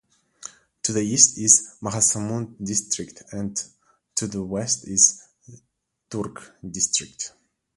To the east is Mahasamund District and to the west is Durg District.